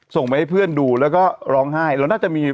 ส่งไปให้เพื่อนดูแล้วก็ร้องไห้